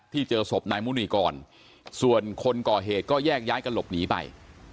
เจอศพนายมุนีกรส่วนคนก่อเหตุก็แยกย้ายกันหลบหนีไป